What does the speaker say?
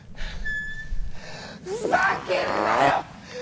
ふざけんなよ！